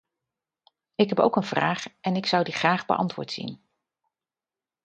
Ik heb ook een vraag en ik zou die graag beantwoord zien.